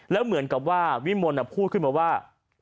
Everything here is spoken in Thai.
แล้วเหมือนกับว่าวิมลพูดขึ้นมาว่า